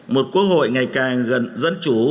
một quốc hội ngày càng gần dân chủ